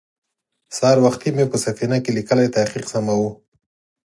سهار وختې مې په سفينه کې ليکلی تحقيق سماوه.